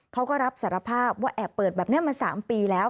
เขาก็รับสารภาพว่าแอบเปิดแบบนี้มา๓ปีแล้ว